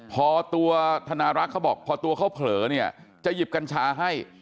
พอตัวธนารักษ์เขาบอกพอตัวเขาเผลอเนี่ยจะหยิบกัญชาให้